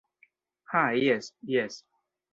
Ha jes... jes...